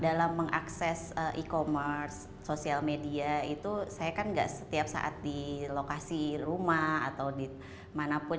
dalam mengakses e commerce social media itu saya kan gak setiap saat di lokasi rumah atau di manapun